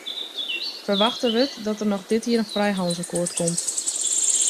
Ferwachte wurdt dat der noch dit jier in frijhannelsakkoart komt.